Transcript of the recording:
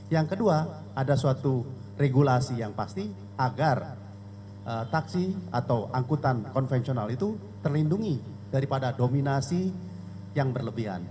yang kedua ada suatu regulasi yang pasti agar taksi atau angkutan konvensional itu terlindungi daripada dominasi yang berlebihan